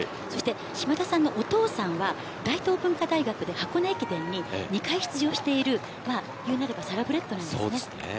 嶋田さんのお父さんは大東文化大学で箱根駅伝に２回出場しているいうなればサラブレッドです。